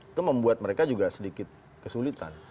itu membuat mereka juga sedikit kesulitan